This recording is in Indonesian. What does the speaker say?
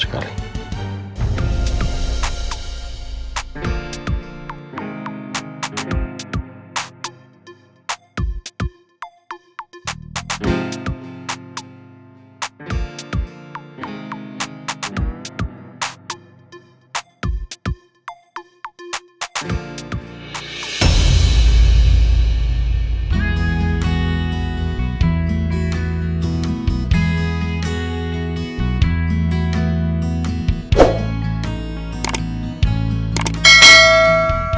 seperti kata kota